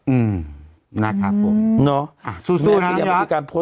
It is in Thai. อืมนะครับผม